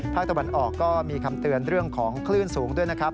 ภาคตะวันออกก็มีคำเตือนเรื่องของคลื่นสูงด้วยนะครับ